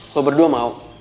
lo berdua mau